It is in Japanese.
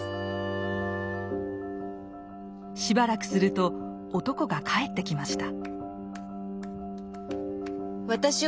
しばらくすると男が帰ってきました。